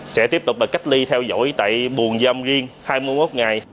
sẽ tiếp tục cách ly theo dõi tại buồng giam riêng hai mươi một ngày